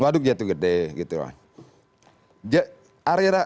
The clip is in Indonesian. waduk jati gede gitu loh